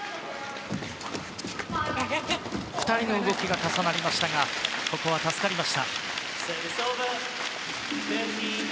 ２人の動きが重なりましたがここは助かりました。